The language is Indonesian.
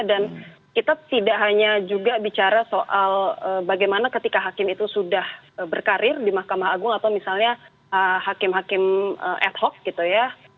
dan kita tidak hanya juga bicara soal bagaimana ketika hakim itu sudah berkarir di mahkamah agung atau misalnya hakim hakim ad hoc gitu ya